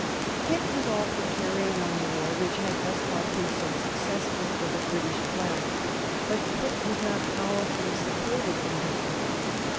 Pitt was all for carrying on the war, which had thus far proved so successful for the British flag. But Pitt was not powerfully supported in his belief.